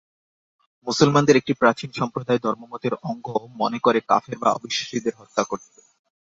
মুসলমানদের একটি প্রাচীন সম্প্রদায় ধর্মমতের অঙ্গ মনে করে কাফের বা অবিশ্বাসীদের হত্যা করত।